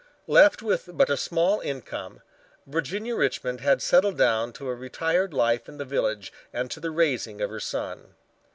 Left with but a small income, Virginia Richmond had settled down to a retired life in the village and to the raising of her son.